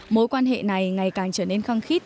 mối quan hệ này ngày càng trở nên khăng khít